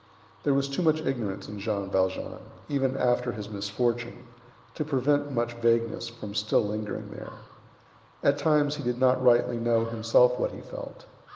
There was too much ignorance in Jean Valjean, even after his misfortune, to prevent much vagueness from still lingering there. At times he did not rightly know himself what he felt.